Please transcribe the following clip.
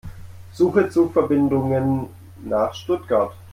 Suche Zugverbindungen nach Stuttgart.